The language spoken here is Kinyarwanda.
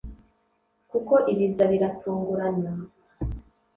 kuko ibiza biratungurana